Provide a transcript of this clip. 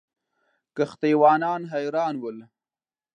کښتۍ وانان حیران ول.